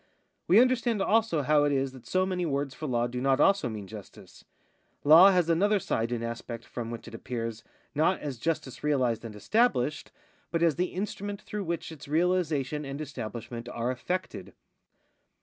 We understand also how it is that so many words for law do not also mean justice ; law has another side and aspect from which it appears, not as justice realised and established, but as the instrument through which its realisation and establishment are effected.